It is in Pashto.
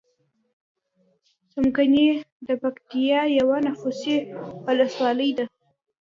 څمکنی دپکتیا یوه نفوسې ولسوالۍ ده.